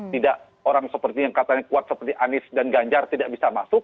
tidak orang seperti yang katanya kuat seperti anies dan ganjar tidak bisa masuk